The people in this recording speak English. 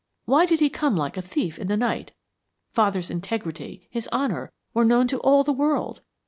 Why did he come like a thief in the night? Father's integrity, his honor, were known to all the world.